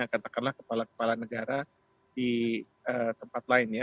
katakanlah kepala kepala negara di tempat lain ya